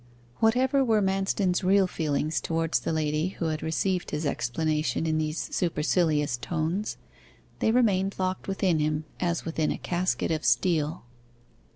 Whatever were Manston's real feelings towards the lady who had received his explanation in these supercilious tones, they remained locked within him as within a casket of steel.